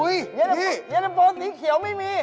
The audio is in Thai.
เย็นเตอร์โฟสีเขียวไม่มี